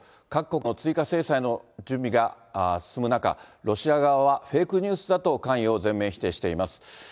各国の追加制裁の準備が進む中、ロシア側はフェイクニュースだと関与を全面否定しています。